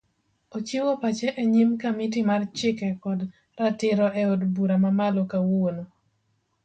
Ochiwo pache enyim kamiti mar chike kod ratiro eod bura mamalo kawuono